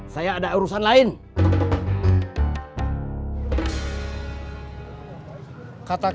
saya ada urusan lagi kamu harus berangkat